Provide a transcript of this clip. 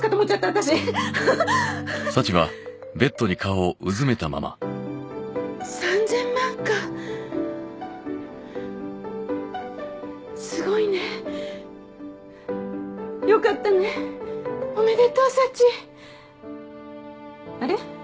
私はははっははっ３０００万かすごいねよかったねおめでとうサチあれ？